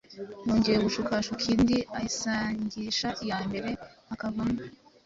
yongera gushukashuka indi ayisangisha iya mbere, ikavamo